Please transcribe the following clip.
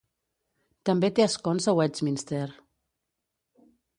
També té escons a Westminster.